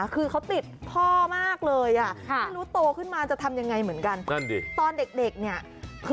คือความที่ว่าเขาเป็นชางเนอะเขาก็